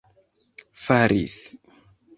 faris